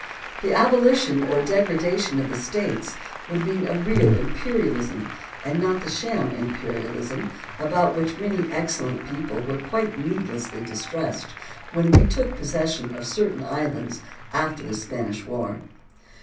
The abolition or degradation of the States would mean a real imperialism and not the sham imperialism about which many excellent people were quite needlessly distressed when we took possession of certain islands after the Spanish War.